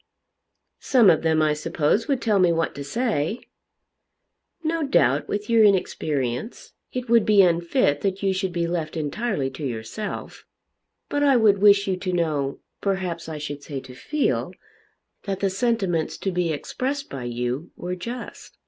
"Some of them I suppose would tell me what to say." "No doubt with your inexperience it would be unfit that you should be left entirely to yourself. But I would wish you to know, perhaps I should say to feel, that the sentiments to be expressed by you were just."